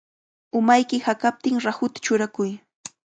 Umayki hakaptin rahuta churakuy.